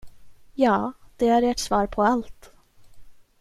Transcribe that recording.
Ja, det är ert svar på allt.